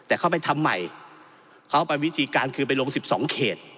แต่เขาไปทำใหม่เขาเอาไปวิธีการคืนไปลงสิบสองเขต